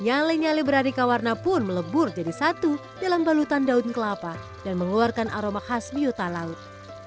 nyale nyale beraneka warna pun melebur jadi satu dalam balutan daun kelapa dan mengeluarkan aroma khas biota laut